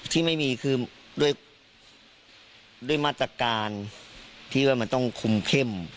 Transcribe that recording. ที่ไม่มีคือด้วยมาตรการที่ว่ามันต้องคุมเข้ม